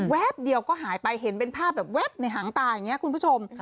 เดียวก็หายไปเห็นเป็นภาพแบบแว๊บในหางตาอย่างนี้คุณผู้ชม